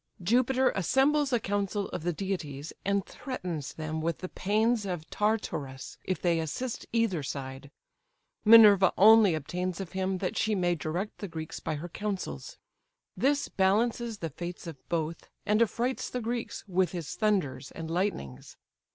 Jupiter assembles a council of the deities, and threatens them with the pains of Tartarus if they assist either side: Minerva only obtains of him that she may direct the Greeks by her counsels. The armies join battle: Jupiter on Mount Ida weighs in his balances the fates of both, and affrights the Greeks with his thunders and lightnings.